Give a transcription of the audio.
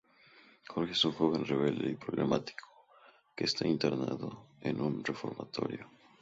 Jorge es un joven rebelde y problemático que está internado en un reformatorio.